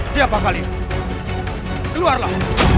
siapa kali keluarlah